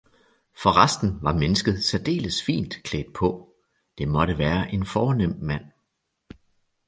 Forresten var mennesket særdeles fint klædt på, det måtte være en fornem mand